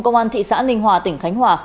công an thị xã ninh hòa tỉnh khánh hòa